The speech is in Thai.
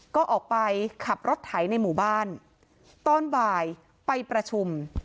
ก็ออกไปขับรถไถในหมู่บ้านตอนบ่ายไปประชุม